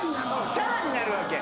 チャラになるわけ。